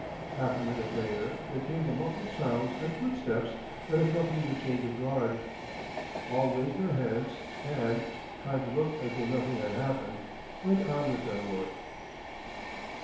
Half a minute later there came the muffled sounds and footsteps that accompany the change of guard. All raised their heads and, trying to look as though nothing had happened, went on with their work. .